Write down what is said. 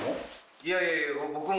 いやいやいや僕も。